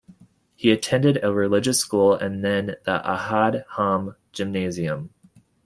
He attended a religious school and then the Ahad Haam gymnasium.